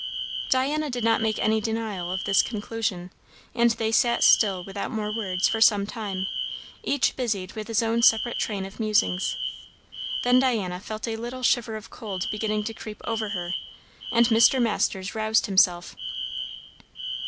Diana did not make any denial of this conclusion; and they sat still without more words, for some time, each busied with his own separate train of musings. Then Diana felt a little shiver of cold beginning to creep over her; and Mr. Masters roused himself.